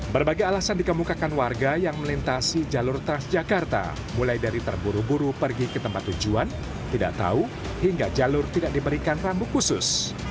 berbagai alasan dikemukakan warga yang melintasi jalur transjakarta mulai dari terburu buru pergi ke tempat tujuan tidak tahu hingga jalur tidak diberikan rambu khusus